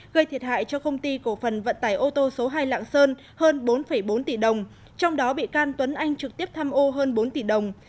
gây thiệt hại cho công ty cổ phần vận tải ô tô số hai lạng sơn hơn bốn bốn tỷ đồng trong đó bị can tuấn anh trực tiếp tham ô hơn bốn tỷ đồng